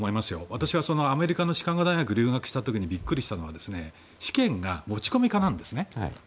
私はアメリカのシカゴ大学に留学した時はビックリしたのは試験が持ち込み可なんですね。